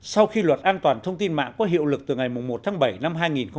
sau khi luật an toàn thông tin mạng có hiệu lực từ ngày một tháng bảy năm hai nghìn một mươi chín